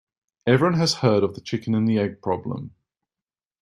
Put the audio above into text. Everyone has heard of the chicken and egg problem.